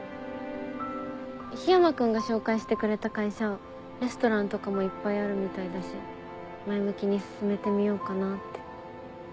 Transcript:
緋山君が紹介してくれた会社レストランとかもいっぱいあるみたいだし前向きに進めてみようかなって。